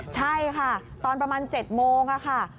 ใช่ค่ะตอนประมาณ๗โมงค่ะ